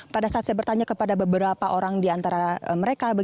pada saat saya bertanya kepada beberapa orang di antara mereka